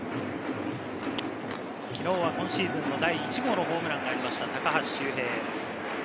昨日は今シーズンの第１号ホームランがありました、高橋周平。